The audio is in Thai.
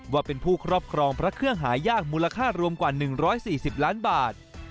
ว่าเป็นผู้ครอบครองพระเครื่องหายากมูลค่ารวมกว่า๑๔๐ล้านบาท